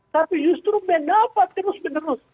tapi justru mendapat terus menerus